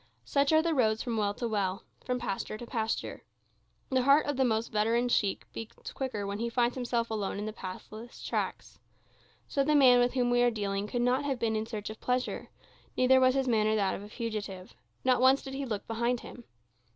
Such are the roads from well to well, from pasture to pasture. The heart of the most veteran sheik beats quicker when he finds himself alone in the pathless tracts. So the man with whom we are dealing could not have been in search of pleasure; neither was his manner that of a fugitive; not once did he look behind him.